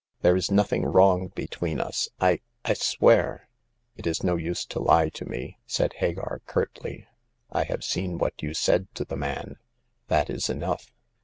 " There is nothing wrong between us, I — I swear." It is no use to lie to me," said Hagar, curtly. '* I have seen what you said to the man ; that is enough.